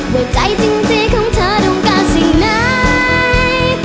ว่าใจจริงใจของเธอต้องการสิ่งไหน